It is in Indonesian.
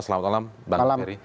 selamat malam bang ferry